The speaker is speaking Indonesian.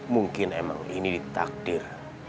mungkin emang ini di takdir